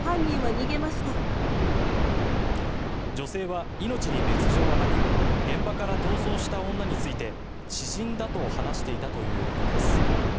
女性は命に別条はなく現場から逃走した女について知人だと話していたということです。